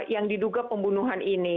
yang diduga pembunuhan ini